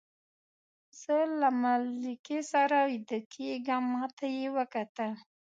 زه له ملکې سره ویده کېږم، ما ته یې وکتل.